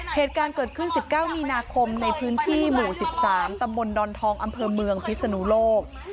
เหตุการณ์เกิดขึ้น๑๙มีนาคมในพื้นที่หมู่๑๓ตำบลดอนทองอำเภอเมืองพิศนุโลก